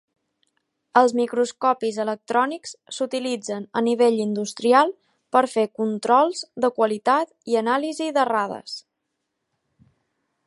Els microscopis electrònics s"utilitzen a nivell industrial per fer controls de qualitat i anàlisi d"errades.